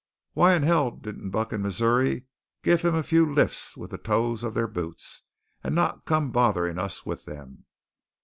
Why'n hell didn't Buck and Missou give him a few lifts with the toes of their boots, and not come botherin' us with them?"